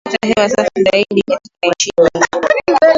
kupata hewa safi zaidi Katika nchi nyingi